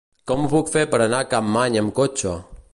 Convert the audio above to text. Com ho puc fer per anar a Capmany amb cotxe?